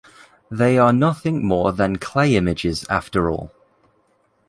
They are nothing more than clay images after all.